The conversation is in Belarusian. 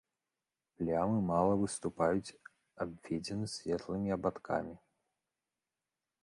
Плямы мала выступаюць, абведзеныя светлымі абадкамі.